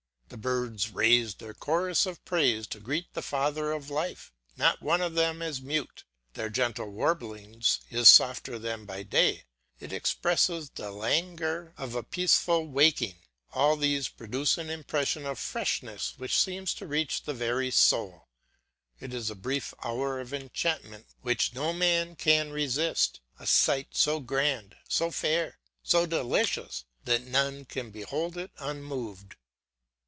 The birds raise their chorus of praise to greet the Father of life, not one of them is mute; their gentle warbling is softer than by day, it expresses the langour of a peaceful waking. All these produce an impression of freshness which seems to reach the very soul. It is a brief hour of enchantment which no man can resist; a sight so grand, so fair, so delicious, that none can behold it unmoved.